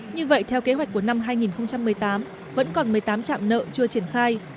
như vậy theo kế hoạch của năm hai nghìn một mươi tám vẫn còn một mươi tám trạm nợ chưa triển khai